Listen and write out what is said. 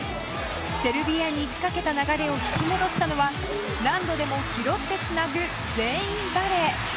セルビアにいきかけた流れを引き戻したのは何度でも拾ってつなぐ全員バレー。